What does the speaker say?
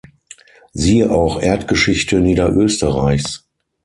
Siehe auch Erdgeschichte Niederösterreichs.